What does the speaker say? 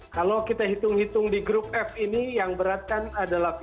kalau kita hitung hitung di grup f ini yang berat kan adalah v